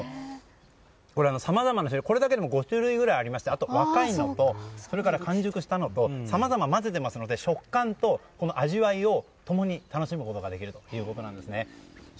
さまざまな種類、これだけでも５種類ぐらいありましてあと若いのと完熟したのとさまざま交ぜていますので食感と味わいを共に楽しむことができるということなんですね。